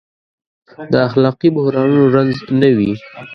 د اخلاقي بحرانونو رنځ نه وي.